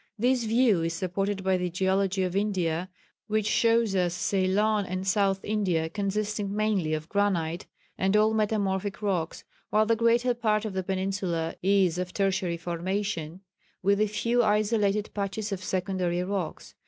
This view is supported by the geology of India, which shows us Ceylon and South India consisting mainly of granite and old metamorphic rocks, while the greater part of the peninsula is of tertiary formation, with a few isolated patches of secondary rocks.